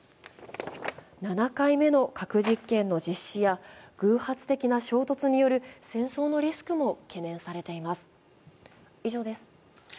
７回目の核実験の実施や偶発的な衝突による戦争のリスクも懸念されています。